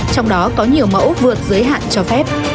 trong đó có nhiều mẫu vượt giới hạn cho phép